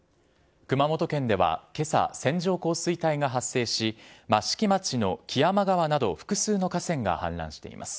熊本県ではけさ、線状降水帯が発生し、益城町の木山川など、複数の河川が氾濫しています。